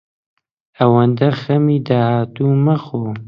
ئەوەندە خەمی داهاتوو مەخۆ.